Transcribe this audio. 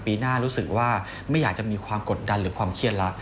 ปีหน้ารู้สึกว่าไม่อยากจะมีความกดดันหรือความเครียดรัก